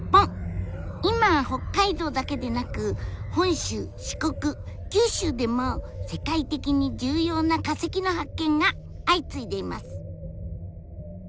今北海道だけでなく本州四国九州でも世界的に重要な化石の発見が相次いでいます。